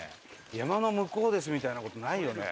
山の向こうですみたいな事ないよね？